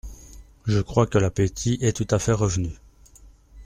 Je crois que l'appétit est tout à fait revenu.